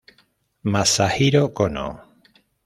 Masahiro Kono